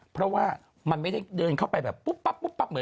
เพราะว่ามันไม่ได้เดินเข้าไปแบบปุ๊บปั๊บปุ๊บปั๊บเหมือน